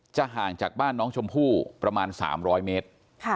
ห่างจากบ้านน้องชมพู่ประมาณ๓๐๐เมตร